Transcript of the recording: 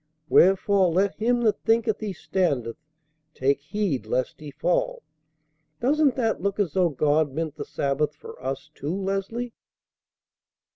Wherefore let him that thinketh he standeth take heed lest he fall.' Doesn't that look as though God meant the Sabbath for us, too, Leslie?"